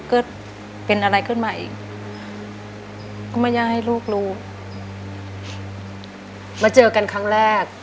ก็เป็นอะไรขึ้นมาอีกก็ไม่อยากให้ลูกรู้มาเจอกันครั้งแรก